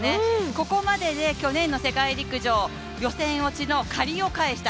ここまでで去年の世界陸上、予選落ちの借りを返した、